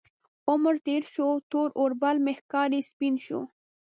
عمر تیر شو، تور اوربل مې ښکاري سپین شو